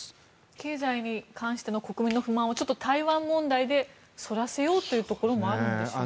経済に関しての国民の不満をちょっと台湾問題でそらせようというところもあるんでしょうか。